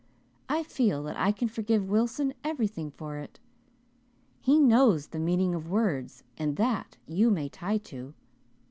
I feel that I can forgive Wilson everything for it. He knows the meaning of words and that you may tie to.